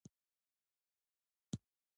ژبې د افغان ښځو په ژوند کې رول لري.